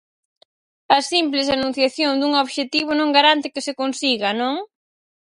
A simples enunciación dun obxectivo non garante que se consiga, non?